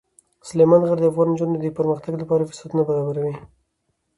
سلیمان غر د افغان نجونو د پرمختګ لپاره فرصتونه برابروي.